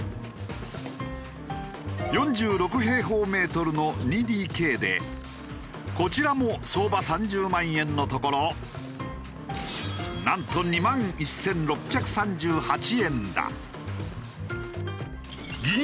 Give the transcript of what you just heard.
４６平方メートルの２ＤＫでこちらも相場３０万円のところなんと２万１６３８円だ。